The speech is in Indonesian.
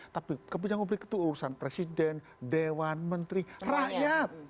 tapi kebijakan publik itu urusan presiden dewan menteri rakyat